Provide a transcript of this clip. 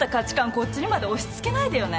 こっちにまで押し付けないでよね。